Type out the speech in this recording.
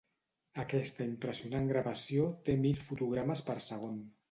Aquesta impressionant gravació té mil fotogrames per segon.